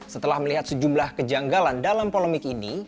setelah melihat sejumlah kejanggalan dalam polemik ini